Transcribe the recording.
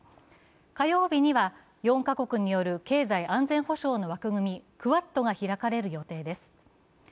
火曜日には４カ国による経済安全保障の枠組みクアッドが開かれる予定です。